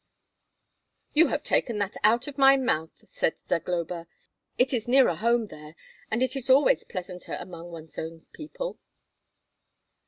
"You have taken that out of my mouth!" said Zagloba "It is nearer home there, and it is always pleasanter among one's own people."